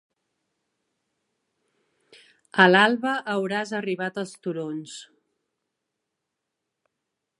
A l'alba hauràs arribat als turons.